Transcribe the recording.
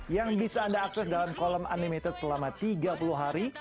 yang bisa anda akses dalam kolom animated selama tiga puluh hari